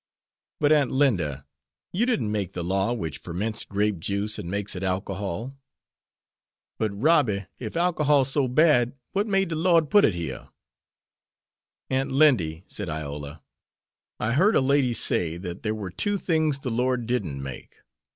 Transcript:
"But, Aunt Linda, you didn't make the law which ferments grape juice and makes it alcohol." "But, Robby, ef alcohol's so bad, w'at made de Lord put it here?" "Aunt Lindy," said Iola, "I heard a lady say that there were two things the Lord didn't make.